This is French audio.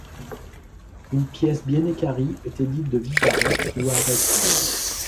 Une pièce bien équarrie était dite de vive-arrête ou à arrête vive.